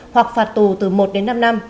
hoặc phạt tù từ một đến năm năm